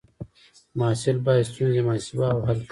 محصل باید ستونزې محاسبه او حل کړي.